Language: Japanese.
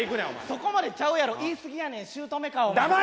そこまでちゃうやろ言い過ぎやねんしゅうとめかお前。